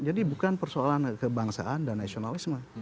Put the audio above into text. jadi bukan persoalan kebangsaan dan nasionalisme